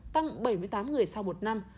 tăng bảy mươi tám người sau một năm